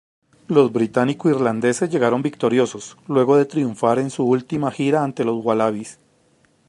Los británico-irlandeses llegaron victoriosos, luego de triunfar en su última gira ante los Wallabies.